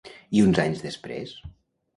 I uns anys després?